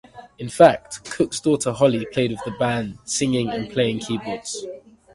In fact, Cook's daughter Hollie played with the band, singing and playing keyboards.